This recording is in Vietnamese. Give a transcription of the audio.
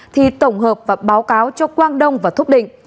thì tổng hợp và báo cáo cho quang đông và thúc định